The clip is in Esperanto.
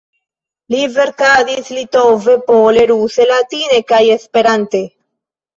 Li verkadis litove, pole, ruse, latine kaj Esperante.